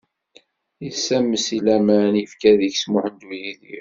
Yessammes i laman yefka deg-s Muḥend U yidir.